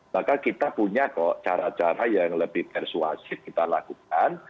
maka kita punya kok cara cara yang lebih persuasif kita lakukan